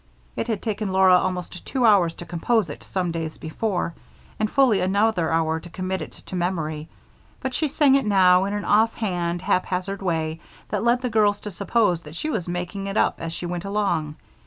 It had taken Laura almost two hours to compose it, some days before, and fully another hour to commit it to memory, but she sang it now in an offhand, haphazard way that led the girls to suppose that she was making it up as she went along.